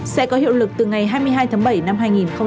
sẽ có hiệu lực từ ngày hai mươi hai tháng bảy năm hai nghìn hai mươi